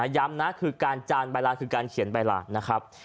ย้ำนะคือการจานใบลานคือการเขียนใบลานนะครับ